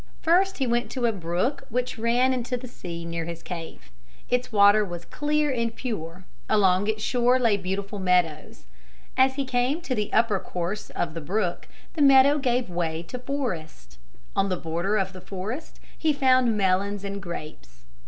First he went to a brook which ran into the sea near his cave. Its water was clear and pure; along its shore lay beautiful meadows. As he came to the upper course of the brook the meadow gave way to forest. On the border of the forest he found melons and grapes.